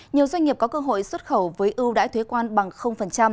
nhiều doanh nghiệp có cơ hội xuất khẩu với ưu đãi thuế quan bằng